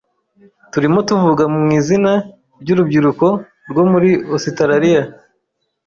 Turimo tuvuga mu izina ry'urubyiruko rwo muri Ositaraliya.